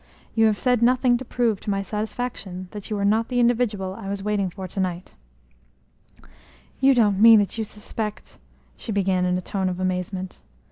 You have said nothing to prove to my satisfaction that you are not the individual I was waiting for to night." "You don't mean that you suspect ?" she began in a tone of amazement.